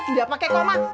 tidak pakai koma